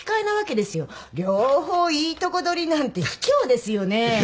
両方いいとこ取りなんてひきょうですよね？